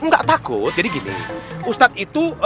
nggak takut jadi gini ustadz itu